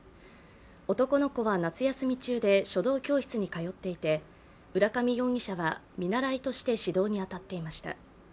男の子は夏休み中で書道教室に通っていて浦上容疑者は見習いとして指導に当たっていました。